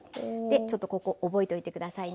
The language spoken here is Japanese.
ちょっとここ覚えといて下さいね。